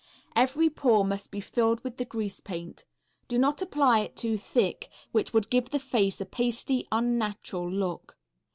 Every pore must be filled with the grease paint. Do not apply it too thick, which would give the face a pasty, unnatural look.